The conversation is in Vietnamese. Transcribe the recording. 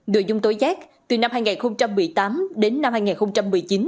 nội dung tối giác từ năm hai nghìn một mươi tám đến năm hai nghìn một mươi chín